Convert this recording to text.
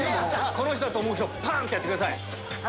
この人だと思う人パン！ってやってください。